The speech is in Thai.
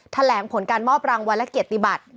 แถลงผลการมอบรางวัลและเกียรติบัติ